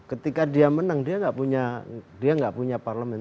ketika dia menang dia nggak punya parlemen